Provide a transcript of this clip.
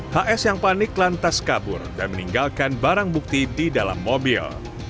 hs yang panik lantas kabur dan meninggalkan barang bukti di dalam mobil